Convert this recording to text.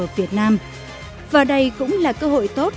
việt nam và đây cũng là cơ hội tốt